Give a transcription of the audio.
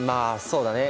そうだね